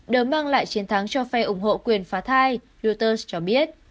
đều mang lại chiến thắng cho phe ủng hộ quyền phá thai reuters cho biết